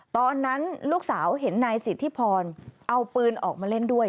ตอนนั้นลูกสาวเห็นนายสิทธิพรเอาปืนออกมาเล่นด้วย